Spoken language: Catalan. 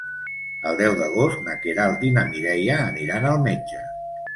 El deu d'agost na Queralt i na Mireia aniran al metge.